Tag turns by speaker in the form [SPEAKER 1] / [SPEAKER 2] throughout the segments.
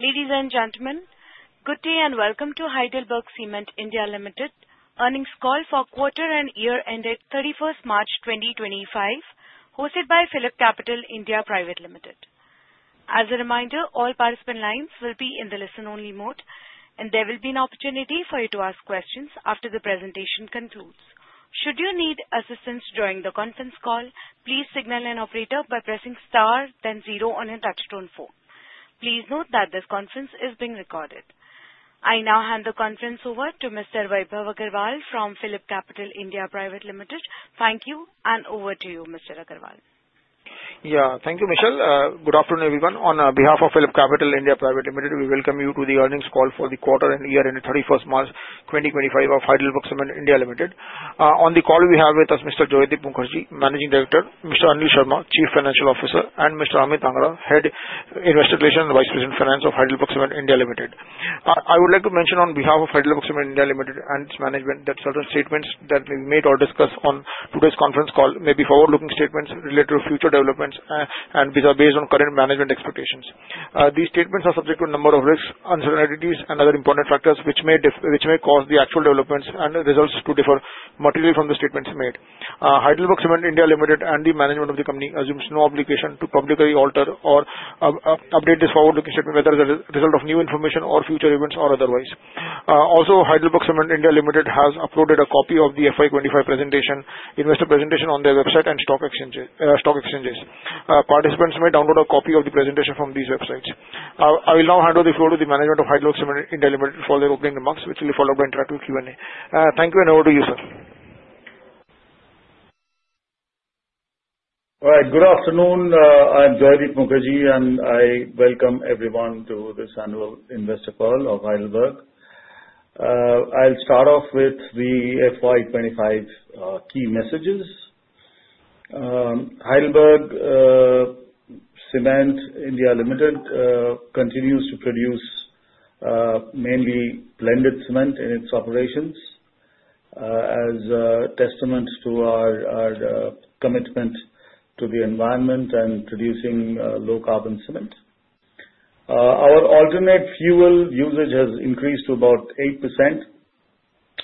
[SPEAKER 1] Ladies and gentlemen, good day and welcome to HeidelbergCement India Limited earnings call for quarter and year ended 31st March 2025, hosted by PhillipCapital India Private Limited. As a reminder, all participant lines will be in the listen-only mode, and there will be an opportunity for you to ask questions after the presentation concludes. Should you need assistance during the conference call, please signal an operator by pressing star, then zero on a touch-tone phone. Please note that this conference is being recorded. I now hand the conference over to Mr. Vaibhav Agarwal from PhillipCapital India Private Limited. Thank you, and over to you, Mr. Agarwal.
[SPEAKER 2] Yeah, thank you, Michelle. Good afternoon, everyone. On behalf of PhillipCapital India Private Limited, we welcome you to the earnings call for the quarter and year ended 31st March 2025 of HeidelbergCement India Limited. On the call, we have with us Mr. Joydeep Mukherjee, Managing Director, Mr. Anil Sharma, Chief Financial Officer, and Mr. Amit Angra, Head of Investor Relations and Vice President, Finance of HeidelbergCement India Limited. I would like to mention, on behalf of HeidelbergCement India Limited and its management, that certain statements that we made or discussed on today's conference call may be forward-looking statements related to future developments and are based on current management expectations. These statements are subject to a number of risks, uncertainties, and other important factors which may cause the actual developments and results to differ materially from the statements made. HeidelbergCement India Limited and the management of the company assumes no obligation to publicly alter or update this forward-looking statement, whether as a result of new information or future events or otherwise. Also, HeidelbergCement India Limited has uploaded a copy of the FY25 investor presentation on their website and stock exchanges. Participants may download a copy of the presentation from these websites. I will now hand over the floor to the management of HeidelbergCement India Limited for their opening remarks, which will be followed by an interactive Q&A. Thank you, and over to you, sir. All right, good afternoon. I'm Joydeep Mukherjee, and I welcome everyone to this annual investor call of Heidelberg. I'll start off with the FY25 key messages. HeidelbergCement India Limited continues to produce mainly blended cement in its operations as a testament to our commitment to the environment and producing low-carbon cement. Our alternate fuel usage has increased to about 8%.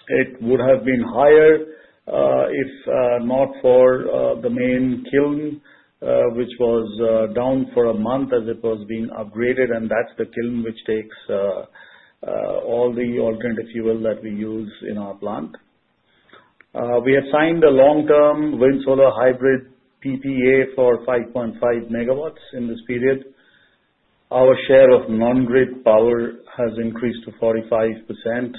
[SPEAKER 2] It would have been higher if not for the main kiln, which was down for a month as it was being upgraded, and that's the kiln which takes all the alternative fuel that we use in our plant. We have signed a long-term wind-solar hybrid PPA for 5.5 MW in this period. Our share of non-grid power has increased to 45%.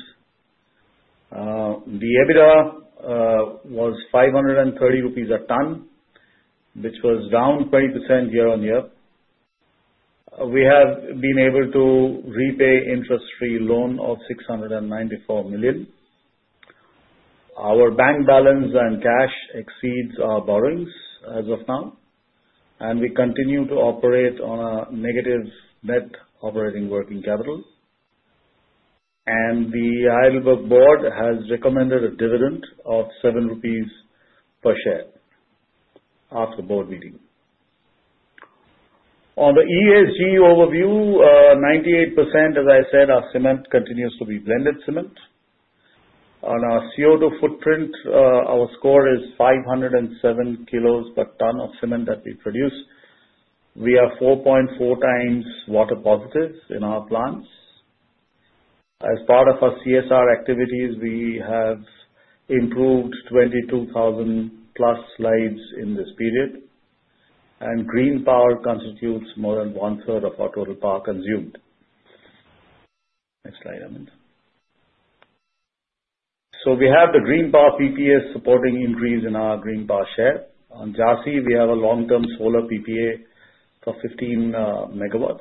[SPEAKER 2] The EBITDA was 530 rupees a ton, which was down 20% year on year. We have been able to repay an interest-free loan of 694 million.
[SPEAKER 3] Our bank balance and cash exceeds our borrowings as of now, and we continue to operate on a negative net operating working capital, and the Heidelberg Board has recommended a dividend of 7 rupees per share after the board meeting. On the ESG overview, 98%, as I said, our cement continues to be blended cement. On our CO2 footprint, our score is 507 kilos per ton of cement that we produce. We are 4.4 times water positive in our plants. As part of our CSR activities, we have improved 22,000-plus lives in this period, and green power constitutes more than one-third of our total power consumed. Next slide, Amit. So we have the green power PPA supporting increase in our green power share. On Jhansi, we have a long-term solar PPA for 15 MW.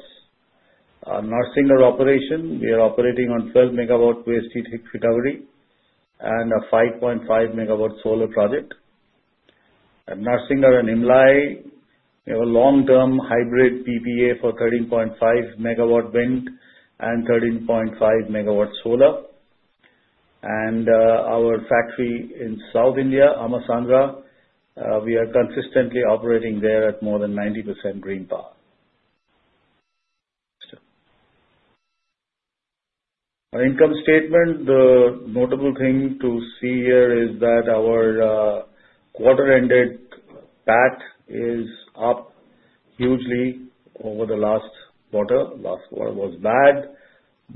[SPEAKER 3] Narsingarh operation, we are operating on 12 MW waste heat recovery and a 5.5 MW solar project. At Narsingarh and Imlai, we have a long-term hybrid PPA for 13.5 MW wind and 13.5 MW solar. Our factory in South India, Ammasandra, we are consistently operating there at more than 90% green power. Our income statement, the notable thing to see here is that our quarter-ended PAT is up hugely over the last quarter. Last quarter was bad,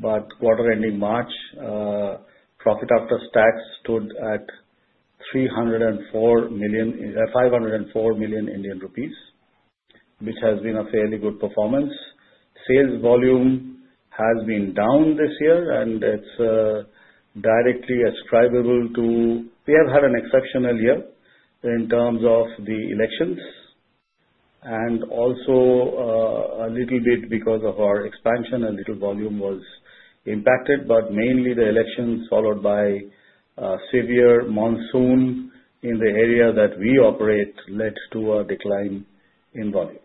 [SPEAKER 3] but quarter-ending March, profit after tax stood at 304 million Indian rupees, which has been a fairly good performance. Sales volume has been down this year, and it's directly ascribable to we have had an exceptional year in terms of the elections. Also, a little bit because of our expansion, a little volume was impacted, but mainly the elections followed by a severe monsoon in the area that we operate led to a decline in volumes.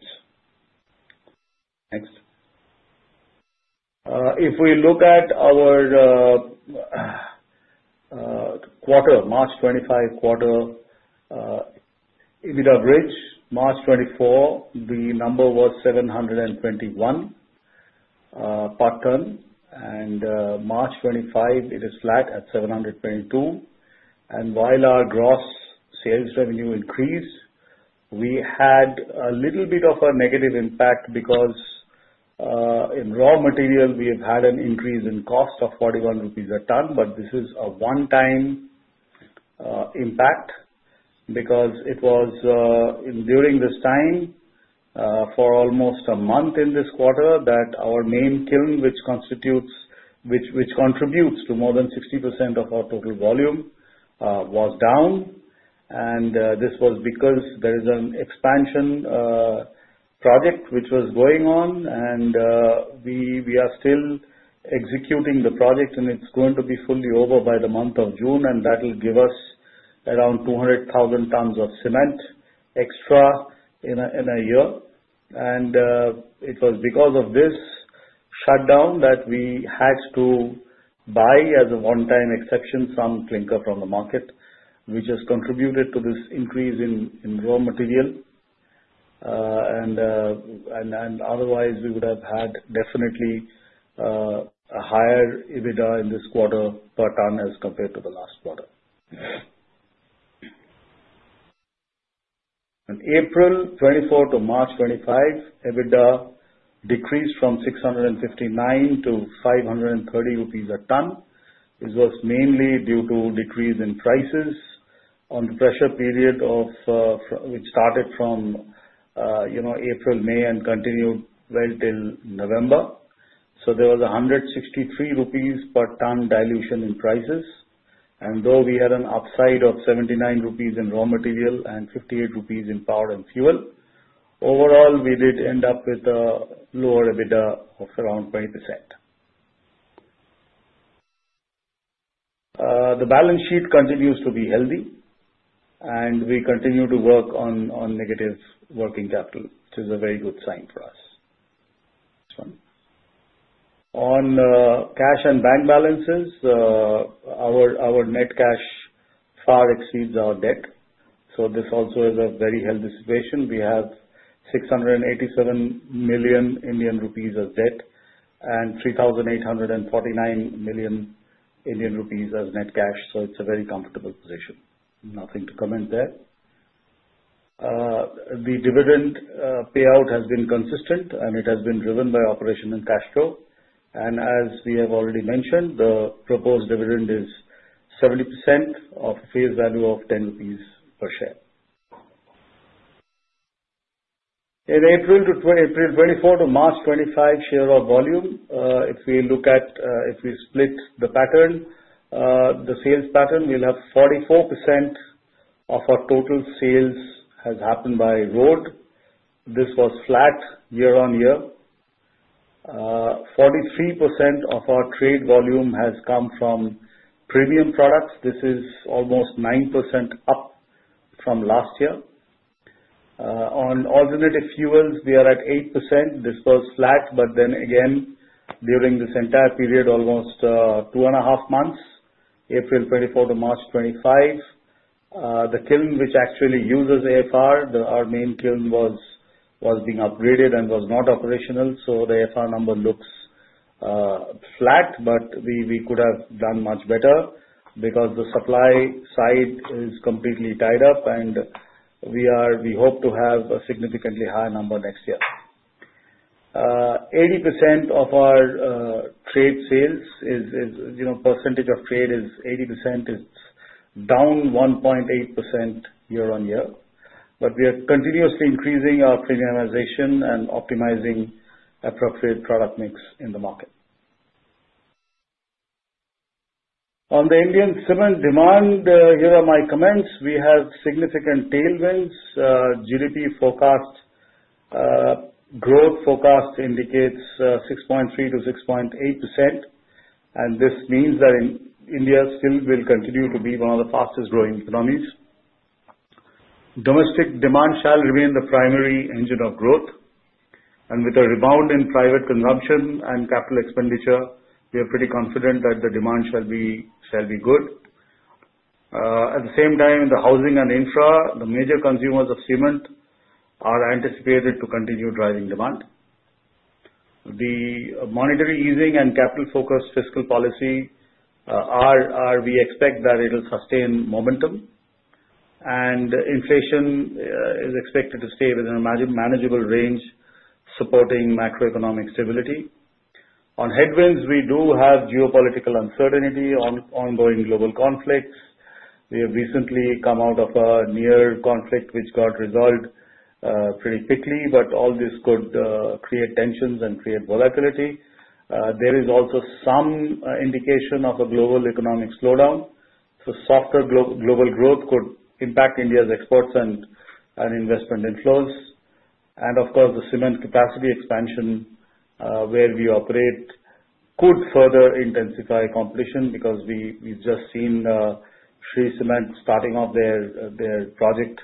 [SPEAKER 3] Next. If we look at our quarter, March 2025 quarter, EBITDA bridge, March 2024, the number was 721 per ton, and March 2025, it is flat at 722, and while our gross sales revenue increased, we had a little bit of a negative impact because in raw material, we have had an increase in cost of 41 rupees a ton, but this is a one-time impact because it was during this time for almost a month in this quarter that our main kiln, which contributes to more than 60% of our total volume, was down. And this was because there is an expansion project which was going on, and we are still executing the project, and it's going to be fully over by the month of June, and that will give us around 200,000 tons of cement extra in a year. It was because of this shutdown that we had to buy, as a one-time exception, some clinker from the market, which has contributed to this increase in raw material. Otherwise, we would have had definitely a higher EBITDA in this quarter per ton as compared to the last quarter. On April 2024 to March 2025, EBITDA decreased from 659 to 530 rupees a ton. This was mainly due to a decrease in prices on the pressure period which started from April, May, and continued well till November. There was a 163 rupees per ton dilution in prices. Though we had an upside of 79 rupees in raw material and 58 rupees in power and fuel, overall, we did end up with a lower EBITDA of around 20%. The balance sheet continues to be healthy, and we continue to work on negative working capital, which is a very good sign for us. On cash and bank balances, our net cash far exceeds our debt. So this also is a very healthy situation. We have 687 million Indian rupees of debt and 3,849 million Indian rupees as net cash. So it's a very comfortable position. Nothing to comment there. The dividend payout has been consistent, and it has been driven by operation and cash flow. And as we have already mentioned, the proposed dividend is 70% of a face value of 10 rupees per share. In April 2024 to March 2025, share of volume, if we look at, if we split the sales pattern, we'll have 44% of our total sales has happened by road. This was flat year on year. 43% of our trade volume has come from premium products. This is almost 9% up from last year. On alternative fuels, we are at 8%. This was flat, but then again, during this entire period, almost two and a half months, April 2024 to March 2025, the kiln which actually uses AFR, our main kiln, was being upgraded and was not operational. So the AFR number looks flat, but we could have done much better because the supply side is completely tied up, and we hope to have a significantly higher number next year. 80% of our trade sales, percentage of trade is 80%, is down 1.8% year on year. But we are continuously increasing our premiumization and optimizing appropriate product mix in the market. On the Indian cement demand, here are my comments. We have significant tailwinds. GDP forecast, growth forecast indicates 6.3%-6.8%, and this means that India still will continue to be one of the fastest-growing economies. Domestic demand shall remain the primary engine of growth, and with a rebound in private consumption and capital expenditure, we are pretty confident that the demand shall be good. At the same time, in the housing and infra, the major consumers of cement are anticipated to continue driving demand. The monetary easing and capital-focused fiscal policy, we expect, that it will sustain momentum, and inflation is expected to stay within a manageable range supporting macroeconomic stability. On headwinds, we do have geopolitical uncertainty, ongoing global conflicts. We have recently come out of a near conflict which got resolved pretty quickly, but all this could create tensions and create volatility. There is also some indication of a global economic slowdown. Softer global growth could impact India's exports and investment inflows. And of course, the cement capacity expansion where we operate could further intensify competition because we've just seen Shree Cement starting off their project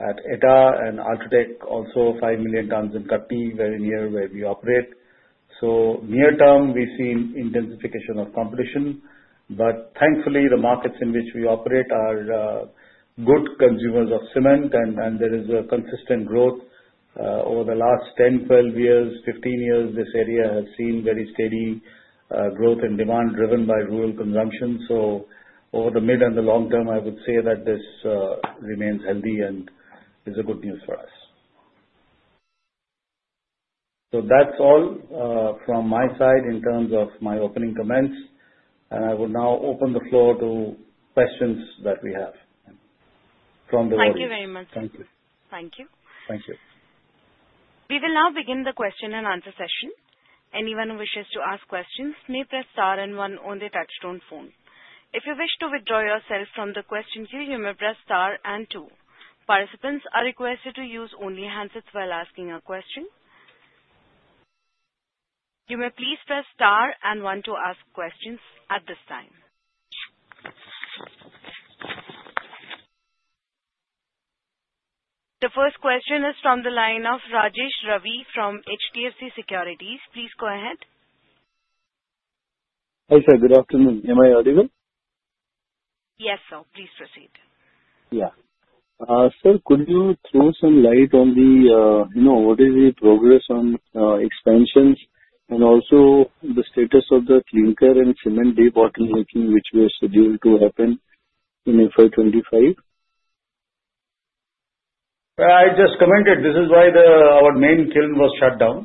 [SPEAKER 3] at Etah and UltraTech, also five million tons in Kutti, very near where we operate. So near term, we've seen intensification of competition, but thankfully, the markets in which we operate are good consumers of cement, and there is a consistent growth over the last 10, 12 years, 15 years. This area has seen very steady growth and demand driven by rural consumption. So over the mid and the long term, I would say that this remains healthy and is a good news for us. So that's all from my side in terms of my opening comments, and I will now open the floor to questions that we have from the audience.
[SPEAKER 1] Thank you very much.
[SPEAKER 3] Thank you.
[SPEAKER 1] Thank you.
[SPEAKER 3] Thank you.
[SPEAKER 1] We will now begin the question and answer session. Anyone who wishes to ask questions may press star and one on the touch-tone phone. If you wish to withdraw yourself from the question queue, you may press star and two. Participants are requested to use only handsets while asking a question. You may please press star and one to ask questions at this time. The first question is from the line of Rajesh Ravi from HDFC Securities. Please go ahead.
[SPEAKER 4] Hi sir, good afternoon. Am I audible?
[SPEAKER 1] Yes, sir. Please proceed.
[SPEAKER 4] Sir, could you throw some light on what is the progress on expansions and also the status of the clinker and cement debottlenecking, which we are scheduled to happen in FY25?
[SPEAKER 3] I just commented, this is why our main kiln was shut down.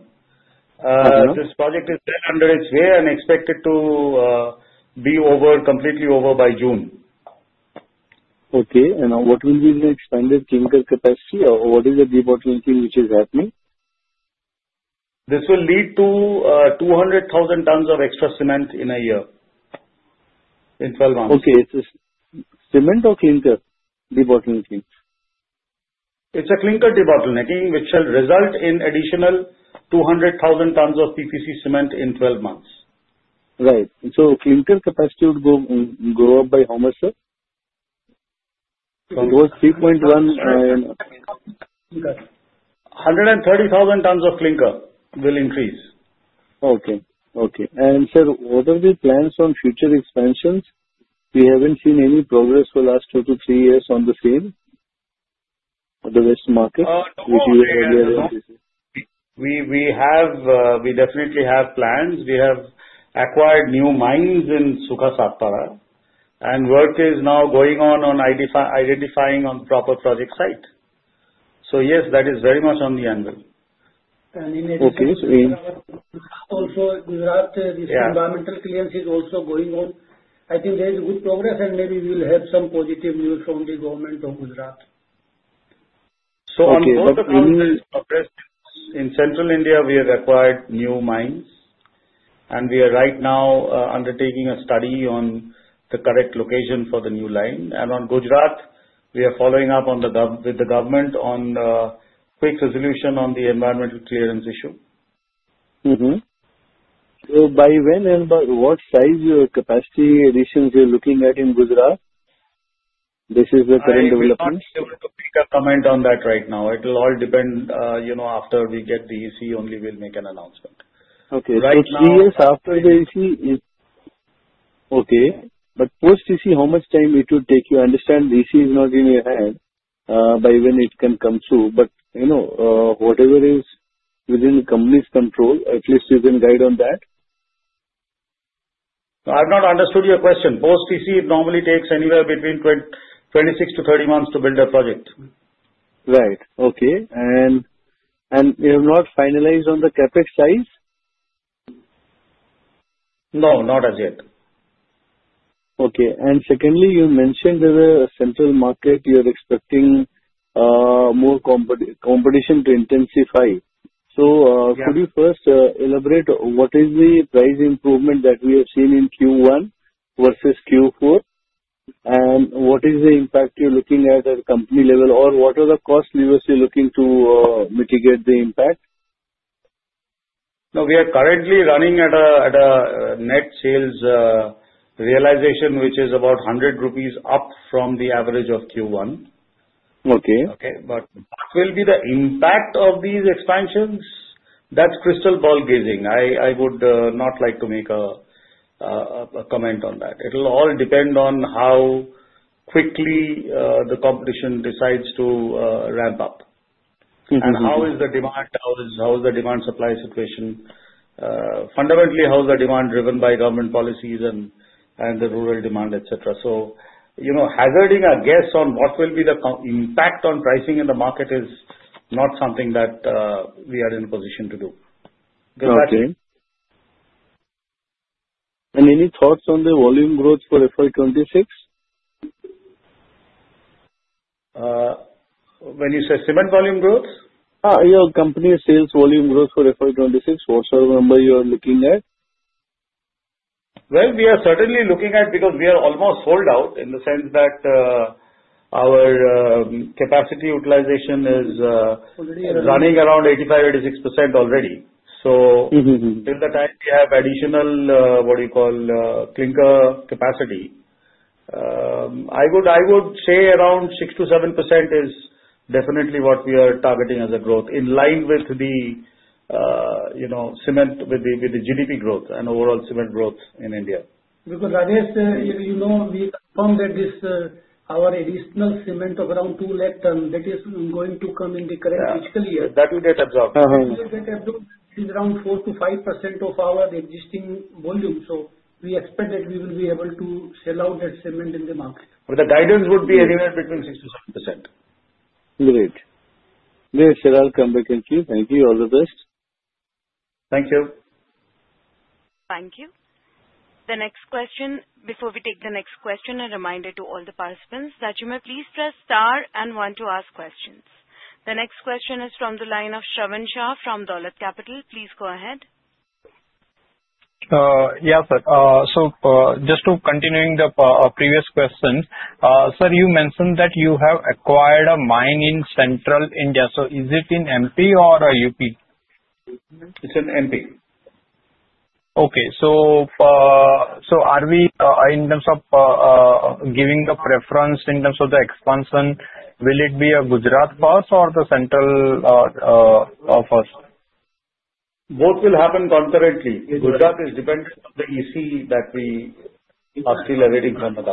[SPEAKER 3] This project is underway and expected to be completely over by June.
[SPEAKER 4] Okay. And what will be the expanded clinker capacity or what is the debottlenecking which is happening?
[SPEAKER 3] This will lead to 200,000 tons of extra cement in a year in 12 months.
[SPEAKER 4] Okay. It's cement or clinker debottlenecking?
[SPEAKER 3] It's a clinker debottlenecking which shall result in additional 200,000 tons of PPC cement in 12 months.
[SPEAKER 4] Right. So clinker capacity would go up by how much, sir? It was 3.1.
[SPEAKER 3] 130,000 tons of Clinker will increase.
[SPEAKER 4] And sir, what are the plans on future expansions? We haven't seen any progress for the last two to three years on the same or the west market, which you were earlier on.
[SPEAKER 3] We definitely have plans. We have acquired new mines in Sukha Saktara, and work is now going on identifying proper project site. So yes, that is very much on the anvil.
[SPEAKER 4] Okay. So in.
[SPEAKER 5] Also, Gujarat, this environmental clearance is also going on. I think there is good progress, and maybe we will have some positive news from the government of Gujarat.
[SPEAKER 4] So on both of these.
[SPEAKER 3] In Central India, we have acquired new mines, and we are right now undertaking a study on the correct location for the new line, and on Gujarat, we are following up with the government on quick resolution on the environmental clearance issue.
[SPEAKER 4] So by when and what size capacity additions you're looking at in Gujarat? This is the current development.
[SPEAKER 3] I can't make a comment on that right now. It will all depend after we get the EC only, we'll make an announcement.
[SPEAKER 4] Okay. So three years after the EC is okay. But Post-EC, how much time it would take? You understand the EC is not in your hand by when it can come through, but whatever is within the company's control, at least you can guide on that.
[SPEAKER 3] I've not understood your question. Post-EC normally takes anywhere between 26 to 30 months to build a project.
[SPEAKER 4] Right. Okay. And you have not finalized on the CapEx size?
[SPEAKER 3] No, not as yet.
[SPEAKER 4] Okay. And secondly, you mentioned there's a central market you're expecting more competition to intensify. So could you first elaborate what is the price improvement that we have seen in Q1 versus Q4, and what is the impact you're looking at at company level, or what are the cost levers you're looking to mitigate the impact?
[SPEAKER 3] No, we are currently running at a net sales realization which is about 100 rupees up from the average of Q1.
[SPEAKER 4] Okay.
[SPEAKER 3] Okay. But what will be the impact of these expansions? That's crystal ball gazing. I would not like to make a comment on that. It will all depend on how quickly the competition decides to ramp up and how is the demand, how is the demand-supply situation, fundamentally how is the demand driven by government policies and the rural demand, etc. So hazarding a guess on what will be the impact on pricing in the market is not something that we are in a position to do.
[SPEAKER 4] Okay, and any thoughts on the volume growth for FY26?
[SPEAKER 3] When you say cement volume growth?
[SPEAKER 4] Your company's sales volume growth for FY26, what sort of number you are looking at?
[SPEAKER 3] We are certainly looking at because we are almost sold out in the sense that our capacity utilization is running around 85%-86% already. Till the time we have additional, what do you call, clinker capacity, I would say around 6%-7% is definitely what we are targeting as a growth in line with the cement, with the GDP growth and overall cement growth in India.
[SPEAKER 5] Because Rajesh, you know we confirmed that our additional cement of around ₹2 lakh tons, that is going to come in the correct fiscal year.
[SPEAKER 3] That will get absorbed.
[SPEAKER 5] That will get absorbed around 4%-5% of our existing volume. So we expect that we will be able to sell out that cement in the market.
[SPEAKER 3] But the guidance would be anywhere between 6%-7%.
[SPEAKER 4] Great. Okay. Sir, I'll come back and see. Thank you. All the best.
[SPEAKER 3] Thank you.
[SPEAKER 1] Thank you. The next question, before we take the next question, a reminder to all the participants that you may please press star and one to ask questions. The next question is from the line of Shravan Shah from Dolat Capital. Please go ahead.
[SPEAKER 6] Yes, sir. So just continuing the previous question, sir, you mentioned that you have acquired a mine in Central India. So is it in MP or UP?
[SPEAKER 3] It's in MP.
[SPEAKER 6] Okay. So in terms of giving a preference in terms of the expansion, will it be a Gujarat first or the Central first?
[SPEAKER 3] Both will happen concurrently. Gujarat is dependent on the EC that we are still awaiting from the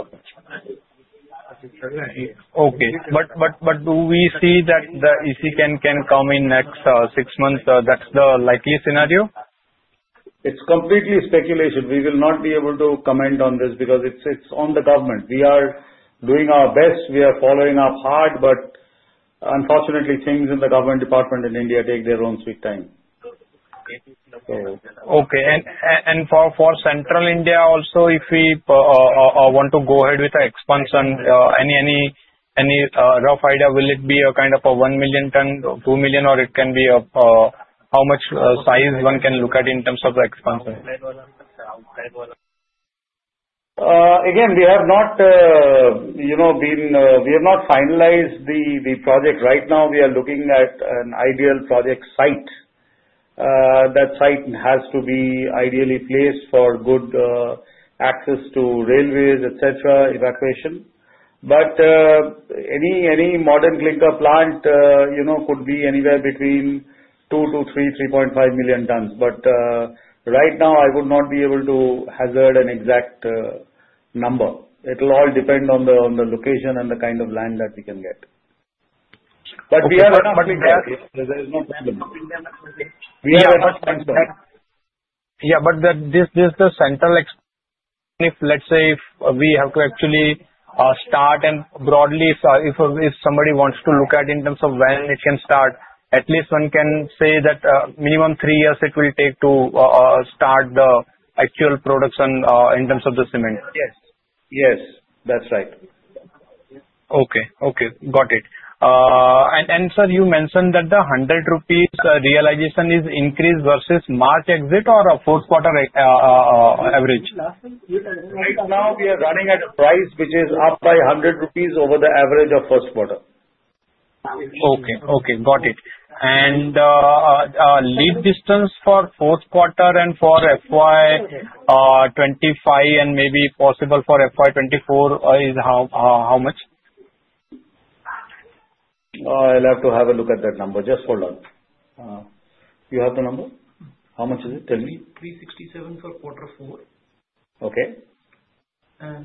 [SPEAKER 3] government.
[SPEAKER 6] Okay. But do we see that the EC can come in next six months? That's the likely scenario?
[SPEAKER 3] It's completely speculation. We will not be able to comment on this because it's on the government. We are doing our best. We are following up hard, but unfortunately, things in the government department in India take their own sweet time.
[SPEAKER 6] Okay, and for Central India also, if we want to go ahead with the expansion, any rough idea? Will it be a kind of a one million ton, two million, or it can be how much size one can look at in terms of the expansion?
[SPEAKER 3] Again, we have not finalized the project. Right now, we are looking at an ideal project site. That site has to be ideally placed for good access to railways, etc., evacuation. But any modern clinker plant could be anywhere between 2-3.5 million tons. But right now, I would not be able to hazard an exact number. It will all depend on the location and the kind of land that we can get. But we have a plan. There is no problem.
[SPEAKER 6] Yeah. But this is the Central. If, let's say, we have to actually start and broadly, if somebody wants to look at in terms of when it can start, at least one can say that minimum three years it will take to start the actual production in terms of the cement.
[SPEAKER 3] Yes. Yes. That's right.
[SPEAKER 6] Okay. Okay. Got it. And sir, you mentioned that the 100 rupees realization is increased versus March exit or a fourth quarter average?
[SPEAKER 3] Right now, we are running at a price which is up by 100 rupees over the average of first quarter.
[SPEAKER 6] Okay. Okay. Got it. And lead distance for fourth quarter and for FY25 and maybe possible for FY24 is how much?
[SPEAKER 3] I'll have to have a look at that number. Just hold on. You have the number? How much is it? Tell me.
[SPEAKER 5] 367 for quarter four.
[SPEAKER 6] Okay.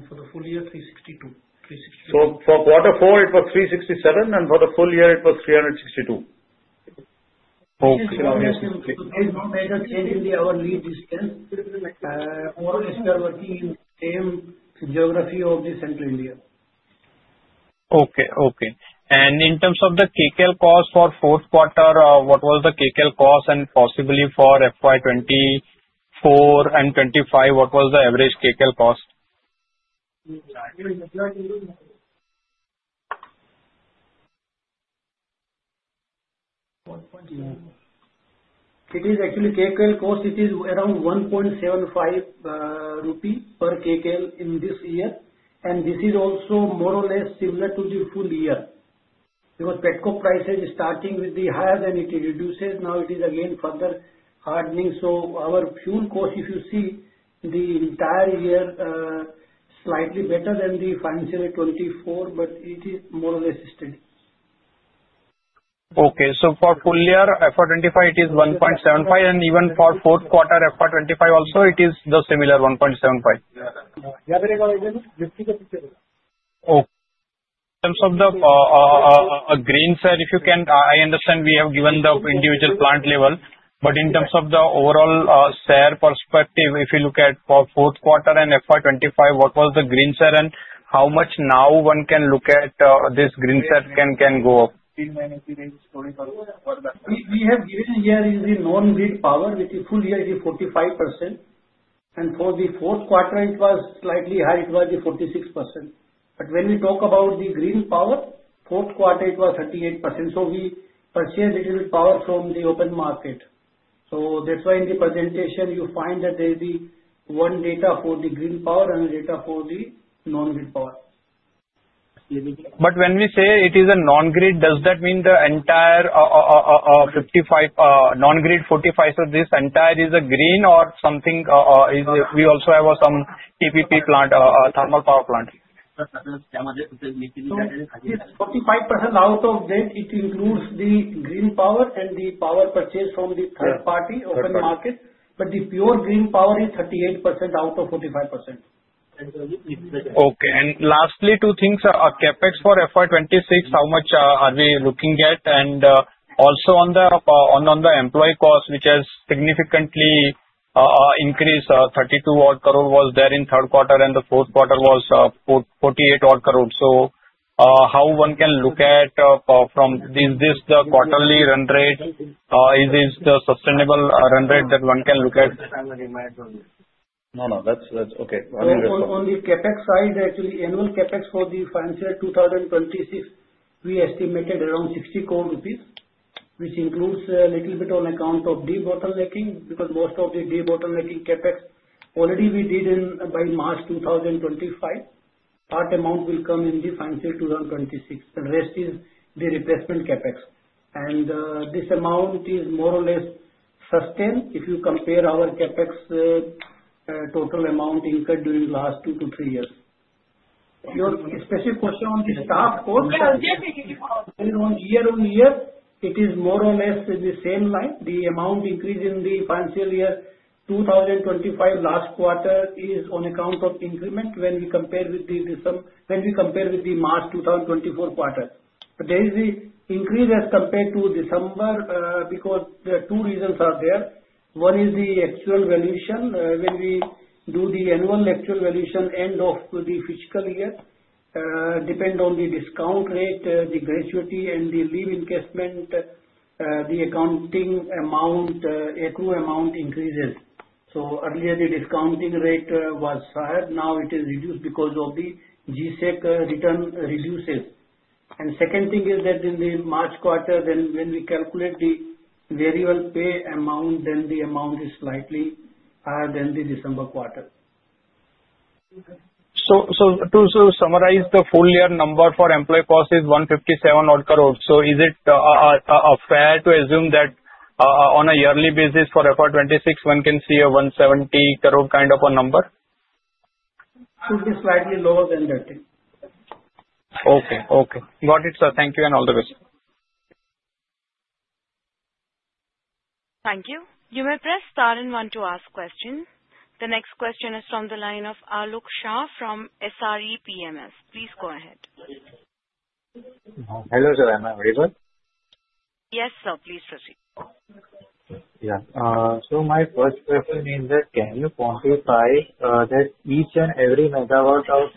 [SPEAKER 5] For the full year, 362. INR 362.
[SPEAKER 3] For quarter four, it was 367, and for the full year, it was 362.
[SPEAKER 6] Okay.
[SPEAKER 5] There is no major change in our lead distance. Overall, we are working in the same geography of the Central India.
[SPEAKER 6] Okay. Okay. And in terms of the kcal cost for fourth quarter, what was the kcal cost? And possibly for FY24 and FY25, what was the average kcal cost?
[SPEAKER 5] It is actually kcal cost, it is around 1.75 rupee per kcal in this year. And this is also more or less similar to the full year because petcoke price is starting with the higher than it reduces. Now it is again further hardening. So our fuel cost, if you see the entire year, slightly better than the financial year 24, but it is more or less steady.
[SPEAKER 6] Okay. So for full year, FY25, it is 1.75, and even for fourth quarter, FY25 also, it is the similar 1.75.
[SPEAKER 5] Yeah.
[SPEAKER 6] Okay. In terms of the green share, if you can, I understand we have given the individual plant level, but in terms of the overall share perspective, if you look at fourth quarter and FY25, what was the green share and how much now one can look at this green share can go up?
[SPEAKER 5] We have given here is the non-grid power, which is full year, it is 45%, and for the fourth quarter, it was slightly higher. It was 46%, but when we talk about the green power, fourth quarter, it was 38%, so we purchase a little bit power from the open market. So that's why in the presentation, you find that there is the one data for the green power and the data for the non-grid power.
[SPEAKER 6] But when we say it is a non-grid, does that mean the entire 55 non-grid 45, so this entire is a green or something? We also have some TPP plant, thermal power plant.
[SPEAKER 5] 45% out of that, it includes the green power and the power purchased from the third party open market. But the pure green power is 38% out of 45%.
[SPEAKER 6] Okay. And lastly, two things. CapEx for FY26, how much are we looking at? And also on the employee cost, which has significantly increased, 32 odd crore was there in third quarter, and the fourth quarter was 48 odd crore. So how one can look at from this quarterly run rate? Is this the sustainable run rate that one can look at?
[SPEAKER 3] No, no. That's okay.
[SPEAKER 5] On the CapEx side, actually, annual CapEx for the financial year 2026, we estimated around 60 crore rupees, which includes a little bit on account of debottlenecking because most of the debottlenecking CapEx already we did by March 2025. Part amount will come in the financial year 2026. The rest is the replacement CapEx. And this amount is more or less sustained if you compare our CapEx total amount incurred during the last two to three years. Your specific question on the staff cost? Year on year, it is more or less the same line. The amount increase in the financial year 2025 last quarter is on account of increment when we compare with the March 2024 quarter. But there is the increase as compared to December because two reasons are there. One is the actual valuation. When we do the annual actual valuation end of the fiscal year, depending on the discount rate, the gratuity, and the leave encashment, the accounting amount, accrued amount increases. So earlier, the discount rate was higher. Now it is reduced because of the G-Sec returns reduce. And second thing is that in the March quarter, then when we calculate the variable pay amount, then the amount is slightly higher than the December quarter.
[SPEAKER 6] So to summarize, the full year number for employee cost is 157 crore. So is it fair to assume that on a yearly basis for FY26, one can see a 170 crore kind of a number?
[SPEAKER 5] It is slightly lower than that.
[SPEAKER 6] Okay. Okay. Got it, sir. Thank you and all the best.
[SPEAKER 1] Thank you. You may press star and one to ask question. The next question is from the line of Alok Shah from SRE PMS. Please go ahead.
[SPEAKER 7] Hello, Sir. I'm available?
[SPEAKER 1] Yes, sir. Please proceed.
[SPEAKER 7] Yeah. So my first question is that can you quantify that each and every MW of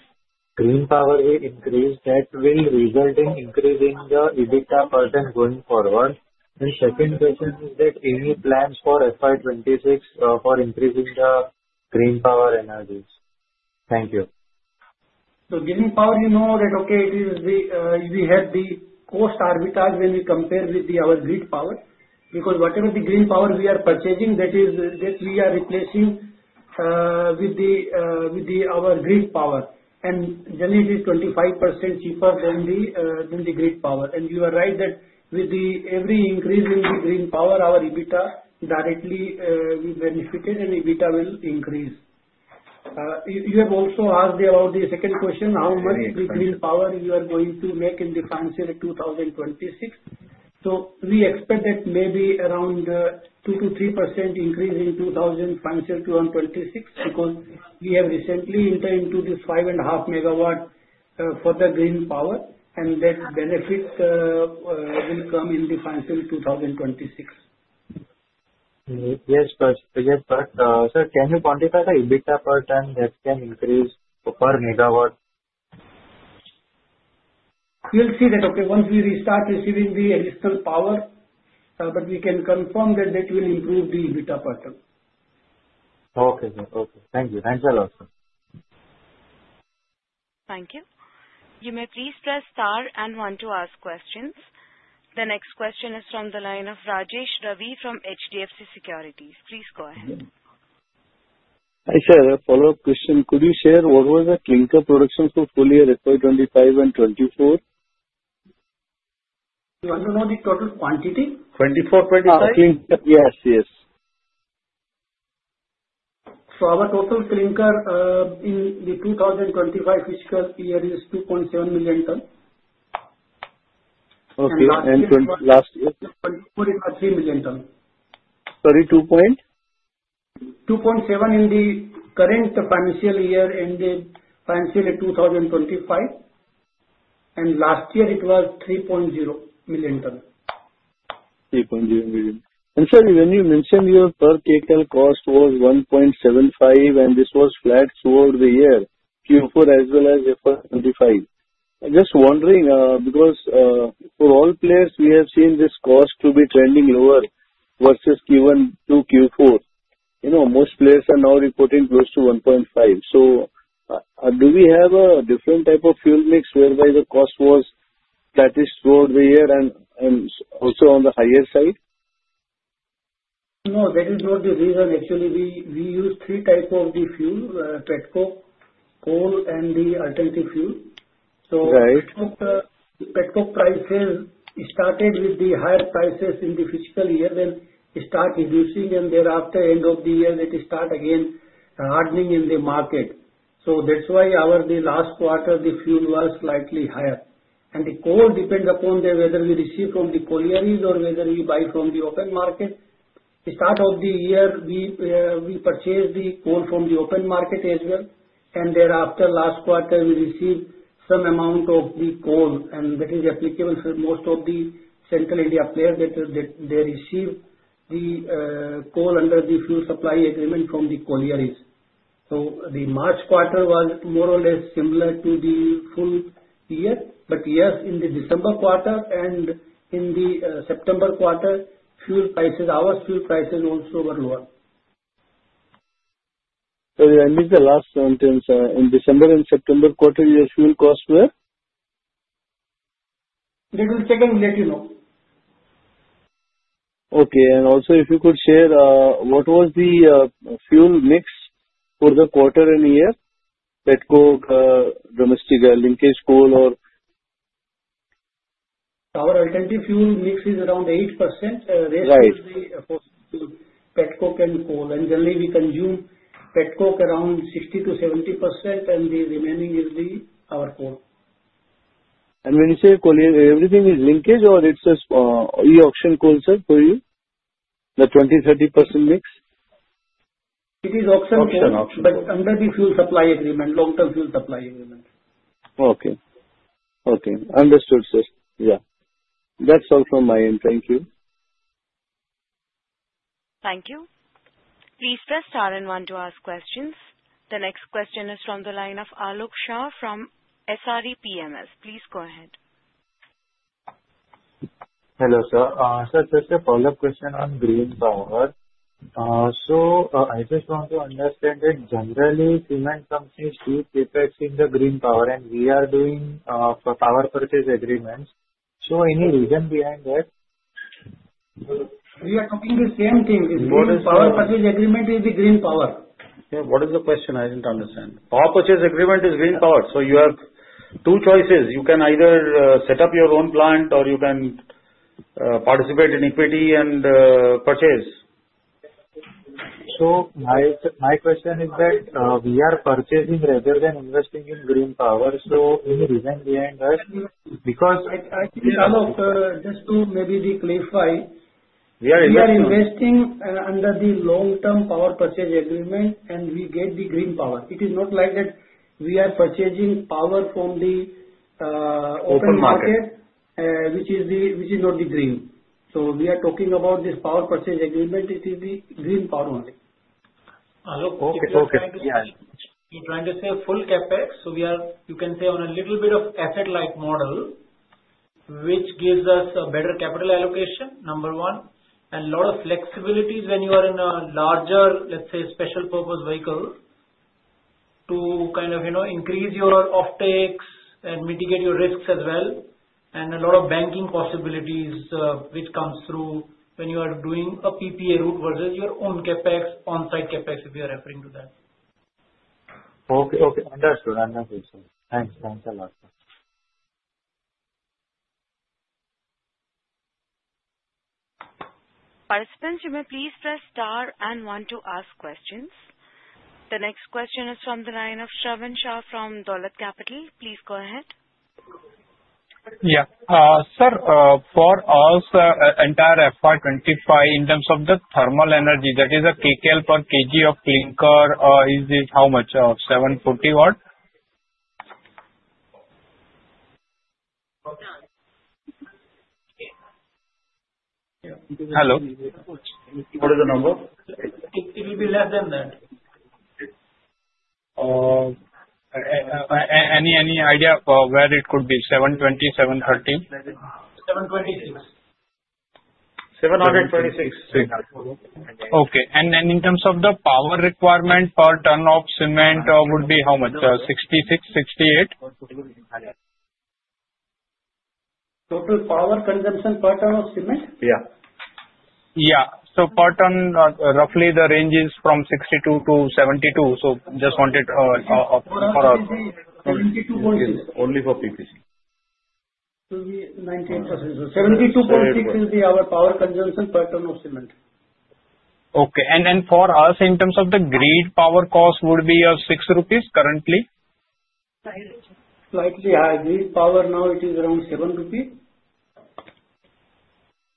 [SPEAKER 7] green power will increase? That will result in increasing the EBITDA % going forward. And second question is that any plans for FY26 for increasing the green power energies? Thank you.
[SPEAKER 5] So, green power, you know that, okay, it is the we have the cost arbitrage when we compare with our grid power because whatever the green power we are purchasing, that we are replacing with our grid power. And generally, it is 25% cheaper than the grid power. And you are right that with the every increase in the green power, our EBITDA directly will benefit and EBITDA will increase. You have also asked about the second question, how much green power you are going to make in the financial year 2026. So, we expect that maybe around 2%-3% increase in 2026 because we have recently entered into this 5 and a half MW for the green power, and that benefit will come in the financial year 2026.
[SPEAKER 7] Yes, sir. Yes, sir. Sir, can you quantify the EBITDA % that can increase per MW?
[SPEAKER 5] We'll see that, okay, once we restart receiving the additional power, but we can confirm that it will improve the EBITDA %.
[SPEAKER 7] Okay, sir. Okay. Thank you. Thank you a lot, sir.
[SPEAKER 1] Thank you. You may please press star and one to ask questions. The next question is from the line of Rajesh Ravi from HDFC Securities. Please go ahead.
[SPEAKER 4] Hi, sir. Follow-up question. Could you share what was the clinker production for full year FY25 and FY24?
[SPEAKER 5] Do you want to know the total quantity?
[SPEAKER 6] 24, 25?
[SPEAKER 4] Yes, yes.
[SPEAKER 5] So our total clinker in the 2025 fiscal year is 2.7 million tons.
[SPEAKER 4] Okay. And last year?
[SPEAKER 5] Last year, 2024, it was three million tons.
[SPEAKER 4] Sorry, 2 point?
[SPEAKER 5] 2.7 in the current financial year ending financial year 2025, and last year, it was 3.0 million tons.
[SPEAKER 4] 3.0 million. And sir, when you mentioned your per kcal cost was 1.75, and this was flat throughout the year, Q4 as well as FY25, I'm just wondering because for all players, we have seen this cost to be trending lower versus given to Q4. Most players are now reporting close toINR 1.5. So do we have a different type of fuel mix whereby the cost was flattened throughout the year and also on the higher side?
[SPEAKER 5] No, that is not the reason. Actually, we use three types of the fuel, petcoke, coal, and the alternative fuel. So petcoke prices started with the higher prices in the fiscal year, then start reducing, and thereafter, end of the year, it starts again hardening in the market. So that's why our last quarter, the fuel was slightly higher. And the coal depends upon whether we receive from the collieries or whether we buy from the open market. Start of the year, we purchase the coal from the open market as well. And thereafter, last quarter, we receive some amount of the coal. And that is applicable for most of the Central India players that they receive the coal under the fuel supply agreement from the collieries. So the March quarter was more or less similar to the full year. But yes, in the December quarter and in the September quarter, fuel prices, our fuel prices also were lower.
[SPEAKER 4] This is the last sentence. In December and September quarter year, fuel cost where?
[SPEAKER 5] That will check and let you know.
[SPEAKER 4] Okay, and also, if you could share, what was the fuel mix for the quarter and year? petcoke, domestic, linkage coal, or?
[SPEAKER 5] Our alternative fuel mix is around 8%. The rest is petcoke and coal, and generally, we consume petcoke around 60%-70%, and the remaining is our coal.
[SPEAKER 4] When you say collieries, everything is linkage or it's an auction coal, sir, for you? The 20%-30% mix?
[SPEAKER 5] It is auction coal.
[SPEAKER 4] Auction, auction.
[SPEAKER 5] But under the fuel supply agreement, long-term fuel supply agreement.
[SPEAKER 4] Okay. Okay. Understood, sir. Yeah. That's all from my end. Thank you.
[SPEAKER 1] Thank you. Please press star and one to ask questions. The next question is from the line of Alok Shah from SRE PMS. Please go ahead.
[SPEAKER 7] Hello, sir. Sir, just a follow-up question on green power. So I just want to understand that generally, cement companies do CapEx in the green power, and we are doing power purchase agreements. So any reason behind that?
[SPEAKER 5] We are talking the same thing. The power purchase agreement is the green power.
[SPEAKER 7] What is the question? I didn't understand. Power purchase agreement is Green Power. So you have two choices. You can either set up your own plant or you can participate in equity and purchase. So my question is that we are purchasing rather than investing in Green Power. So any reason behind that? Because.
[SPEAKER 5] I think, Alok, just to maybe clarify, we are investing under the long-term power purchase agreement, and we get the green power. It is not like that we are purchasing power from the open market, which is not the green. So we are talking about this power purchase agreement. It is the green power only.
[SPEAKER 6] Alok, okay.
[SPEAKER 7] You're trying to say full CapEx. So you can say on a little bit of asset-like model, which gives us a better capital allocation, number one, and a lot of flexibilities when you are in a larger, let's say, special purpose vehicle to kind of increase your offtakes and mitigate your risks as well, and a lot of banking possibilities which comes through when you are doing a PPA route versus your own CapEx, on-site CapEx, if you're referring to that. Okay. Okay. Understood. Understood, sir. Thanks. Thanks, Alok.
[SPEAKER 1] Participants, you may please press star and one to ask questions. The next question is from the line of Shravan Shah from Dolat Capital. Please go ahead.
[SPEAKER 6] Yeah. Sir, for us, entire FY25, in terms of the thermal energy, that is a kcal per kg of clinker, is it how much? 740 kcal?
[SPEAKER 7] Hello. What is the number?
[SPEAKER 5] It will be less than that.
[SPEAKER 7] Any idea where it could be? 720, 730?
[SPEAKER 5] 726.
[SPEAKER 7] Okay. And in terms of the power requirement per ton of cement, would be how much? 66, 68?
[SPEAKER 5] Total power consumption per ton of cement?
[SPEAKER 7] Yeah. Yeah. So per ton, roughly, the range is from 62-72. So just wanted for us.
[SPEAKER 6] 72.6.
[SPEAKER 7] Only for PPC.
[SPEAKER 5] It will be 19%. 72.6 is the power consumption per ton of cement.
[SPEAKER 7] Okay. And for us, in terms of the grid power cost, would be of 6 rupees currently?
[SPEAKER 5] Slightly high. Grid power now, it is around 7 rupees.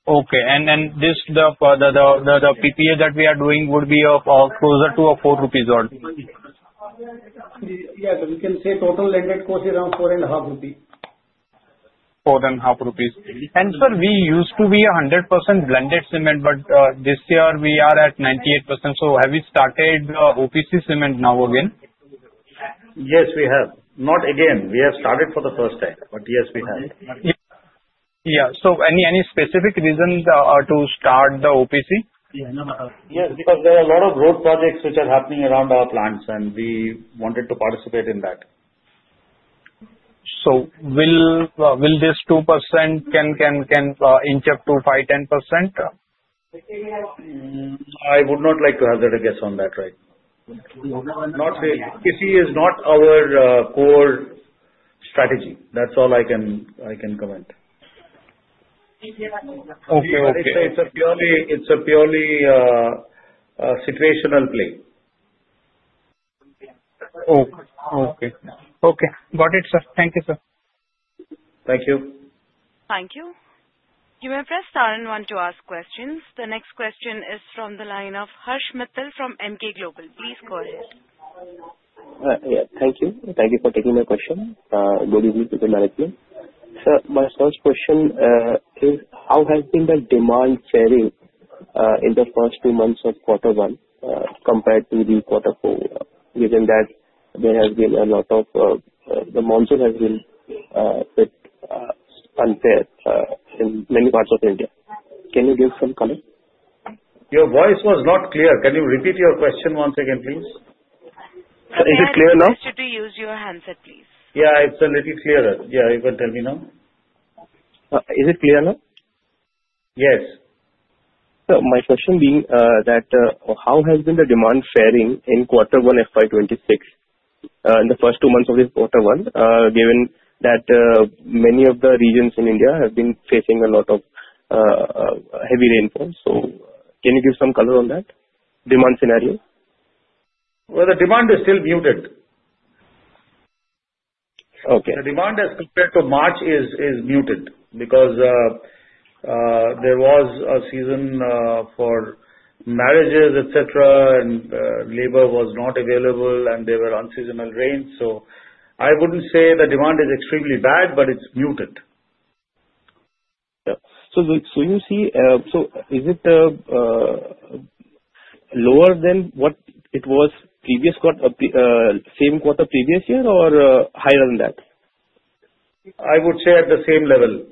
[SPEAKER 7] Okay. And then the PPA that we are doing would be closer to 4 rupees only?
[SPEAKER 5] Yeah. We can say total landed cost is around 4.5
[SPEAKER 7] rupees. 4.5 rupees. Sir, we used to be 100% blended cement, but this year, we are at 98%. So, have we started OPC cement now again?
[SPEAKER 6] Yes, we have. Not again. We have started for the first time. But yes, we have.
[SPEAKER 7] Yeah. So any specific reason to start the OPC?
[SPEAKER 6] Yes, because there are a lot of road projects which are happening around our plants, and we wanted to participate in that.
[SPEAKER 7] Will this 2% can inject to 5%-10%?
[SPEAKER 6] I would not like to have to guess on that right now. OPC is not our core strategy. That's all I can comment.
[SPEAKER 7] Okay. Okay.
[SPEAKER 6] It's a purely situational play.
[SPEAKER 7] Okay. Okay. Got it, sir. Thank you, sir.
[SPEAKER 6] Thank you.
[SPEAKER 1] Thank you. You may press star and one to ask questions. The next question is from the line of Harsh Mittal from Emkay Global. Please go ahead.
[SPEAKER 8] Yeah. Thank you. Thank you for taking my question. Good evening, Mr. Management. Sir, my first question is, how has been the demand faring in the first two months of quarter one compared to the quarter four, given that there has been a lot of the monsoon has been unfair in many parts of India? Can you give some color?
[SPEAKER 6] Your voice was not clear. Can you repeat your question once again, please?
[SPEAKER 7] Is it clear now?
[SPEAKER 1] Yes, sir. Please use your handset, please.
[SPEAKER 6] Yeah, it's a little clearer. Yeah, you can tell me now.
[SPEAKER 8] Is it clear now?
[SPEAKER 6] Yes.
[SPEAKER 8] Sir, my question being that, how has been the demand faring in quarter one FY26 in the first two months of the quarter one, given that many of the regions in India have been facing a lot of heavy rainfall? So can you give some color on that demand scenario?
[SPEAKER 6] The demand is still muted.
[SPEAKER 8] Okay.
[SPEAKER 6] The demand as compared to March is muted because there was a season for marriages, etc., and labor was not available, and there were unseasonal rains. So I wouldn't say the demand is extremely bad, but it's muted.
[SPEAKER 7] Yeah. So you see, so is it lower than what it was previous quarter, same quarter previous year, or higher than that?
[SPEAKER 6] I would say at the same level.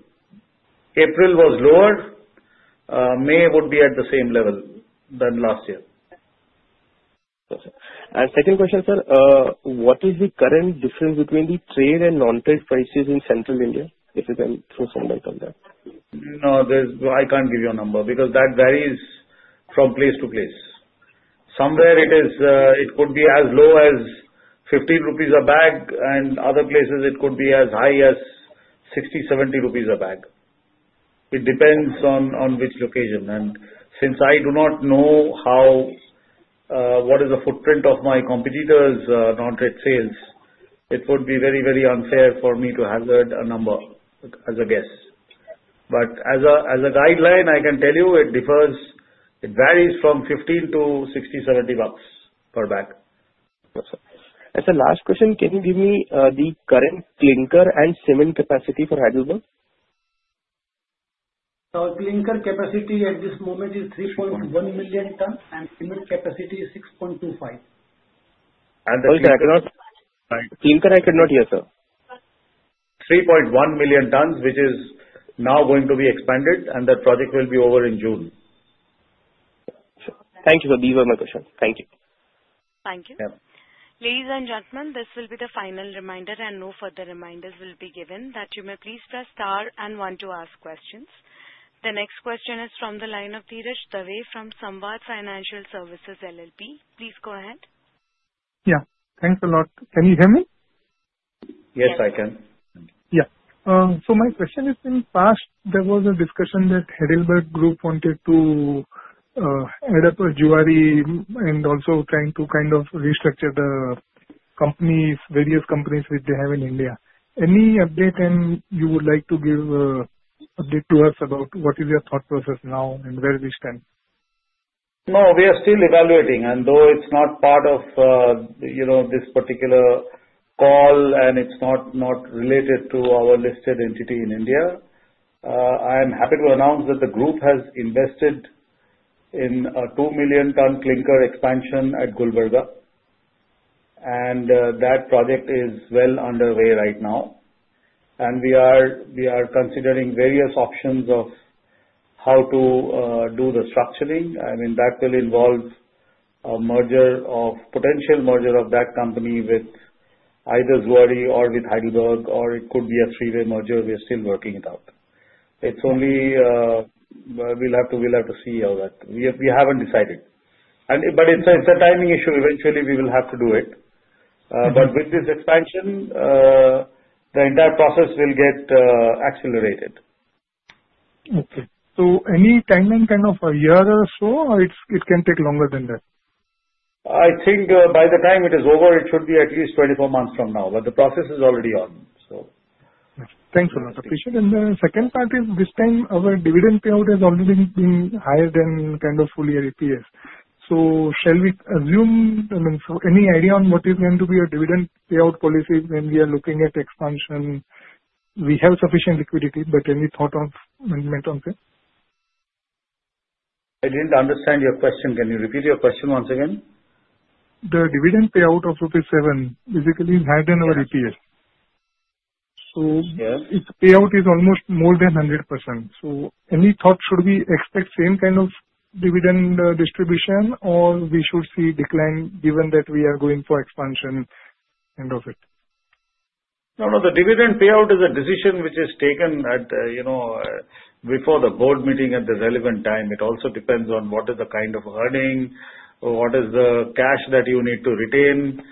[SPEAKER 6] April was lower. May would be at the same level than last year.
[SPEAKER 7] Okay. And second question, sir, what is the current difference between the trade and non-trade prices in Central India, if you can throw some light on that?
[SPEAKER 6] No, I can't give you a number because that varies from place to place. Somewhere, it could be as low as 15 rupees a bag, and other places, it could be as high as 60-70 rupees a bag. It depends on which location, and since I do not know what is the footprint of my competitors, non-trade sales, it would be very, very unfair for me to hazard a number as a guess, but as a guideline, I can tell you it differs. It varies from 15 to 60, 70 bucks per bag.
[SPEAKER 8] Okay. And the last question, can you give me the current clinker and cement capacity for Heidelberg?
[SPEAKER 5] Our Clinker capacity at this moment is 3.1 million tons, and cement capacity is 6.25.
[SPEAKER 7] And the clinker I could not hear, sir.
[SPEAKER 6] 3.1 million tons, which is now going to be expanded, and the project will be over in June.
[SPEAKER 7] Thank you, sir. These were my questions. Thank you.
[SPEAKER 1] Thank you. Ladies and gentlemen, this will be the final reminder, and no further reminders will be given. That you may please press star and one to ask questions. The next question is from the line of Dheeraj Davey from Samvad Financial Services LLP. Please go ahead. Yeah. Thanks a lot. Can you hear me?
[SPEAKER 7] Yes, I can. Yeah. So my question is, in the past, there was a discussion that the Heidelberg group wanted to add up a Zuari and also trying to kind of restructure the companies, various companies which they have in India. Any update you would like to give to us about what is your thought process now and where we stand?
[SPEAKER 6] No, we are still evaluating. Though it's not part of this particular call and it's not related to our listed entity in India, I am happy to announce that the group has invested in a two-million-ton clinker expansion at Gulbarga, and that project is well underway right now. We are considering various options of how to do the structuring. I mean, that will involve a potential merger of that company with either Zuari or with Heidelberg, or it could be a three-way merger. We are still working it out. It's only we'll have to see how that we haven't decided. It's a timing issue. Eventually, we will have to do it. With this expansion, the entire process will get accelerated. Okay. So any timing kind of a year or so, or it can take longer than that? I think by the time it is over, it should be at least 24 months from now. But the process is already on, so. Thanks a lot. Appreciate it. And the second part is, this time, our dividend payout has already been higher than kind of full-year EPS. So shall we assume I mean, any idea on what is going to be your dividend payout policy when we are looking at expansion? We have sufficient liquidity, but any thought on it? I didn't understand your question. Can you repeat your question once again? The dividend payout of Rs 7 basically is higher than our EPS. So its payout is almost more than 100%. So any thought should we expect same kind of dividend distribution, or we should see decline given that we are going for expansion end of it? No, no. The dividend payout is a decision which is taken before the board meeting at the relevant time. It also depends on what is the kind of earning, what is the cash that you need to retain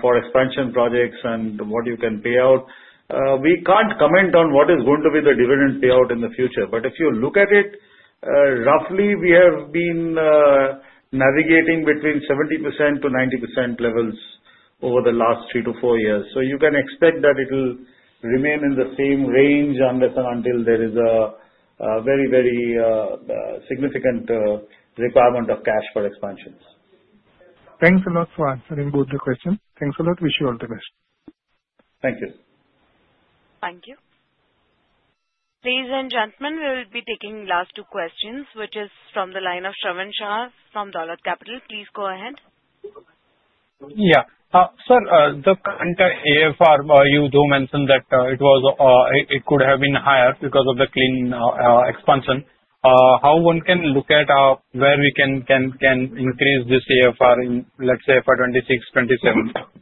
[SPEAKER 6] for expansion projects, and what you can pay out. We can't comment on what is going to be the dividend payout in the future. But if you look at it, roughly, we have been navigating between 70%-90% levels over the last three to four years. So you can expect that it will remain in the same range until there is a very, very significant requirement of cash for expansions. Thanks a lot for answering both the questions. Thanks a lot. Wish you all the best. Thank you.
[SPEAKER 1] Thank you. Ladies and gentlemen, we'll be taking last two questions, which is from the line of Shravan Shah from Dolat Capital. Please go ahead.
[SPEAKER 7] Yeah. Sir, the current AFR, you do mention that it could have been higher because of the clinker expansion. How one can look at where we can increase this AFR in, let's say, FY26, 27?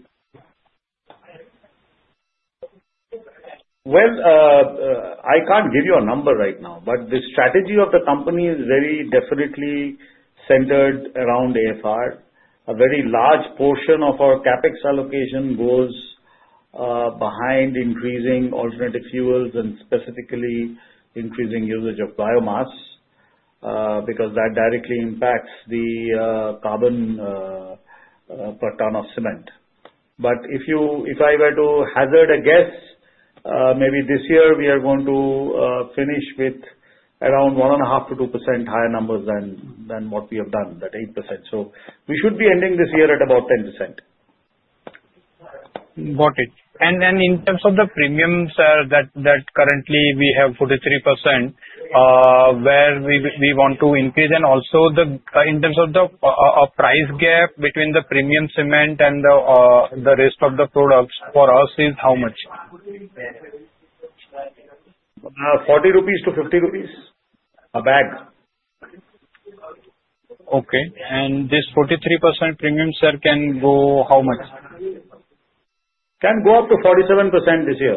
[SPEAKER 6] I can't give you a number right now, but the strategy of the company is very definitely centered around AFR. A very large portion of our CapEx allocation goes behind increasing alternative fuels and specifically increasing usage of biomass because that directly impacts the carbon per ton of cement. But if I were to hazard a guess, maybe this year, we are going to finish with around 1.5%-2% higher numbers than what we have done, that 8%. So we should be ending this year at about 10%.
[SPEAKER 7] Got it. And in terms of the premiums, sir, that currently we have 43% where we want to increase, and also in terms of the price gap between the premium cement and the rest of the products, for us, is how much?
[SPEAKER 6] 40-50 rupees a bag.
[SPEAKER 7] Okay, and this 43% premium, sir, can go how much?
[SPEAKER 6] Can go up to 47% this year.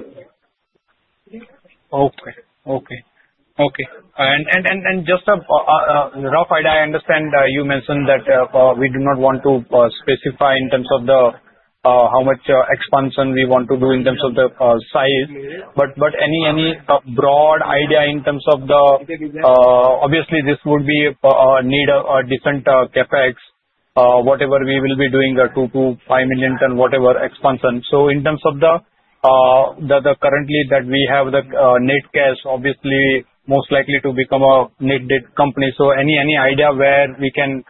[SPEAKER 7] Okay. Just a rough idea, I understand you mentioned that we do not want to specify in terms of how much expansion we want to do in terms of the size. But any broad idea in terms of the obviously, this would need a decent CapEx, whatever we will be doing, two to five million tons, whatever expansion. So in terms of the currently that we have the net cash, obviously, most likely to become a net debt company. So any idea where we can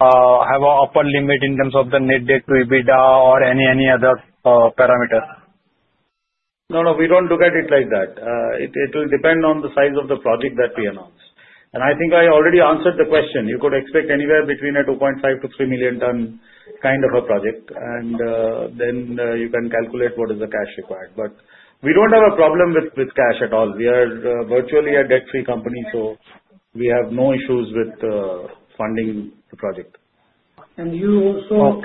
[SPEAKER 7] have an upper limit in terms of the net debt to EBITDA or any other parameter?
[SPEAKER 6] No, no. We don't look at it like that. It will depend on the size of the project that we announce, and I think I already answered the question. You could expect anywhere between a 2.5-3 million ton kind of a project, and then you can calculate what is the cash required, but we don't have a problem with cash at all. We are virtually a debt-free company, so we have no issues with funding the project.
[SPEAKER 5] You also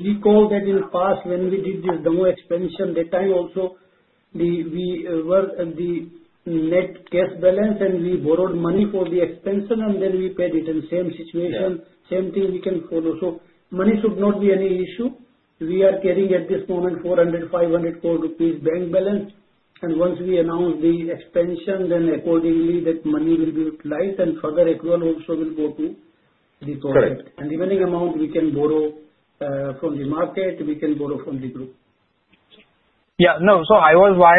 [SPEAKER 5] recall that in the past, when we did the expansion, that time also, we were at the net cash balance, and we borrowed money for the expansion, and then we paid it. Same situation, same thing we can follow. Money should not be any issue. We are carrying at this moment 400-500 crore rupees bank balance. Once we announce the expansion, then accordingly, that money will be utilized, and further equivalent also will go to the project. The remaining amount, we can borrow from the market. We can borrow from the group.
[SPEAKER 7] Yeah. No. So why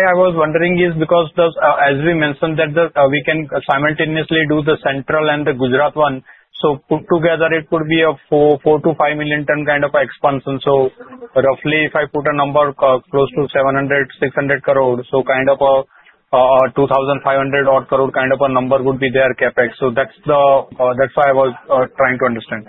[SPEAKER 7] I was wondering is because, as we mentioned, that we can simultaneously do the central and the Gujarat one. So put together, it could be a 4-5 million ton kind of expansion. So roughly, if I put a number close to 600-700 crore, so kind of a 2,500-odd crore kind of a number would be their CapEx. So that's why I was trying to understand.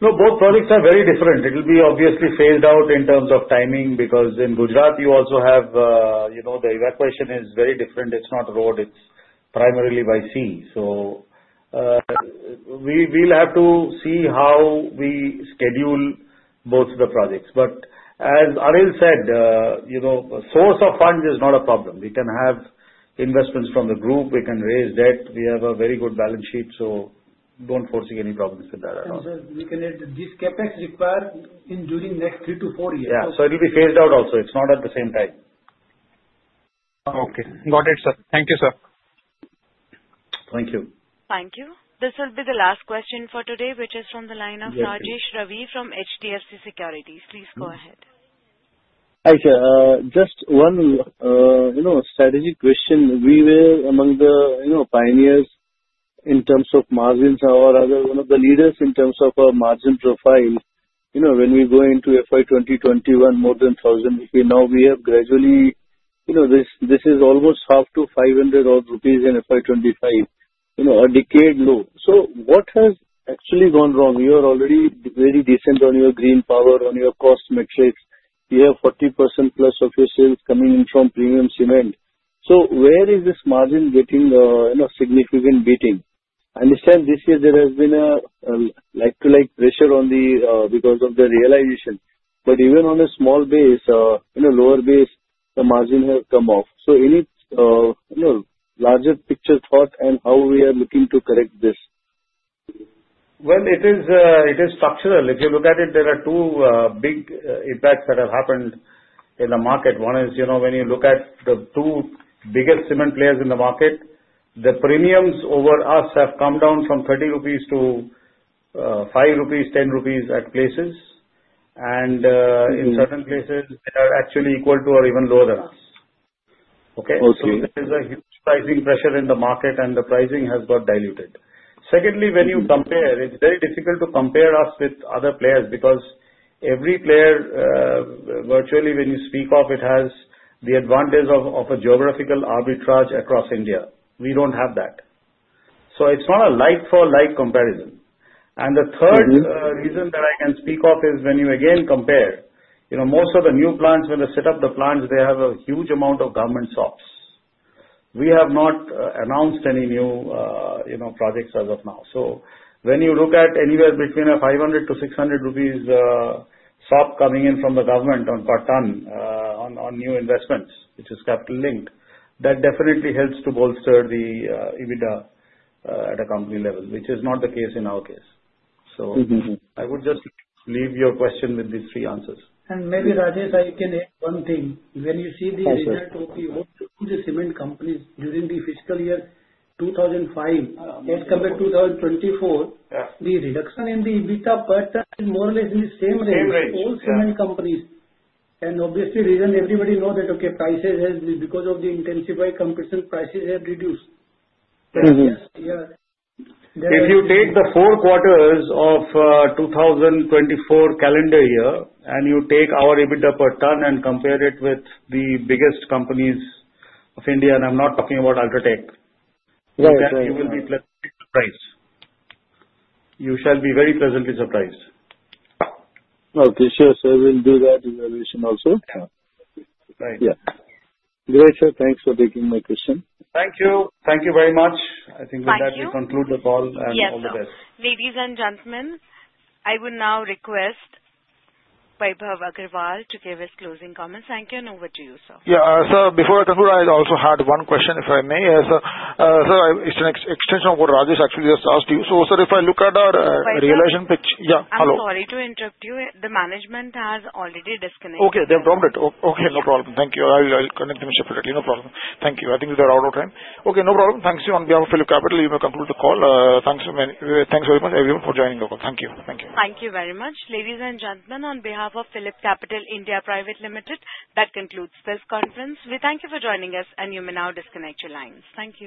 [SPEAKER 6] No, both projects are very different. It will be obviously phased out in terms of timing because in Gujarat, you also have the evacuation is very different. It's not road. It's primarily by sea. So we will have to see how we schedule both the projects. But as Anil said, source of funds is not a problem. We can have investments from the group. We can raise debt. We have a very good balance sheet, so don't foresee any problems with that at all.
[SPEAKER 5] Sir, this CapEx required during next three to four years.
[SPEAKER 6] Yeah. So it will be phased out also. It's not at the same time.
[SPEAKER 7] Okay. Got it, sir. Thank you, sir.
[SPEAKER 6] Thank you.
[SPEAKER 1] Thank you. This will be the last question for today, which is from the line of Rajesh Ravi from HDFC Securities. Please go ahead.
[SPEAKER 8] Hi, sir. Just one strategic question. We were among the pioneers in terms of margins or other one of the leaders in terms of our margin profile. When we go into FY 2021, more than 1,000 rupees. Now, we have gradually this is almost half to 500 rupees odd in FY 2025, a decade low. So what has actually gone wrong? You are already very decent on your green power, on your cost metrics. You have 40% plus of your sales coming in from premium cement. So where is this margin getting a significant beating? I understand this year there has been a like-to-like pressure on the because of the realization. But even on a small base, lower base, the margin has come off. So any larger picture thought and how we are looking to correct this?
[SPEAKER 6] It is structural. If you look at it, there are two big impacts that have happened in the market. One is when you look at the two biggest cement players in the market, the premiums over us have come down from 30 rupees to 5 rupees, 10 rupees at places. And in certain places, they are actually equal to or even lower than us. Okay? So there is a huge pricing pressure in the market, and the pricing has got diluted. Secondly, when you compare, it is very difficult to compare us with other players because every player, virtually when you speak of, it has the advantage of a geographical arbitrage across India. We do not have that. So it is not a like-for-like comparison. And the third reason that I can speak of is when you again compare, most of the new plants, when they set up the plants, they have a huge amount of government SOPs. We have not announced any new projects as of now. So when you look at anywhere between 500 to 600 rupees SOP coming in from the government on per ton on new investments, which is capital-linked, that definitely helps to bolster the EBITDA at a company level, which is not the case in our case. So I would just leave your question with these three answers.
[SPEAKER 5] Maybe, Rajesh, I can add one thing. When you see the results of the old cement companies during the fiscal year 2005, let's come back to 2024. The reduction in the EBITDA per ton is more or less in the same range.
[SPEAKER 6] Same range.
[SPEAKER 5] All cement companies. Obviously, everybody knows that, okay. Prices have reduced because of the intensified competition.
[SPEAKER 6] Yes. If you take the four quarters of 2024 calendar year and you take our EBITDA per ton and compare it with the biggest companies of India, and I'm not talking about UltraTech, you will be pleasantly surprised. You shall be very pleasantly surprised.
[SPEAKER 4] Okay. Sure. So I will do that evaluation also.
[SPEAKER 6] Yeah. Right.
[SPEAKER 4] Yeah. Great, sir. Thanks for taking my question.
[SPEAKER 6] Thank you. Thank you very much. I think with that, we conclude the call and all the best.
[SPEAKER 1] Yes. Ladies and gentlemen, I would now request Vaibhav Agarwal to give his closing comments. Thank you, and over to you, sir.
[SPEAKER 7] Yeah. Sir, before I conclude, I also had one question, if I may. Sir, it's an extension of what Rajesh actually just asked you. So, sir, if I look at our realization picture.
[SPEAKER 1] I'm sorry to interrupt you. The management has already disconnected.
[SPEAKER 7] Okay. They've dropped it. Okay. No problem. Thank you. I'll connect them separately. No problem. Thank you. I think they're out of time. Okay. No problem. Thanks to you on behalf of Phillip Capital. You may conclude the call. Thanks very much, everyone, for joining the call. Thank you. Thank you.
[SPEAKER 1] Thank you very much. Ladies and gentlemen, on behalf of PhillipCapital India Private Limited, that concludes this conference. We thank you for joining us, and you may now disconnect your lines. Thank you.